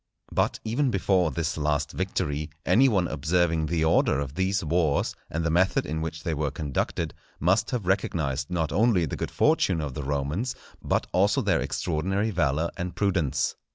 But even before this last victory, any one observing the order of these wars, and the method in which they were conducted, must have recognized not only the good fortune of the Romans, but also their extraordinary valour and prudence.